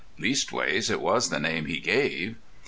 Leastways it was the name he gave.